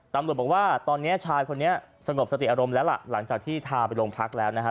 ตำรวจบอกว่าตอนนี้ชายคนนี้สงบสติอารมณ์แล้วล่ะหลังจากที่พาไปโรงพักแล้วนะฮะ